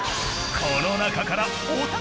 ［この中から］